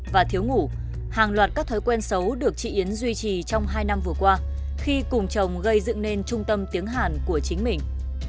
và thiếu ngủ hàng loạt các thói quen xấu được chị yến duy trì trong hai năm vừa qua khi cùng chồng gây dựng nên trung tâm tiếng hàn của chính mình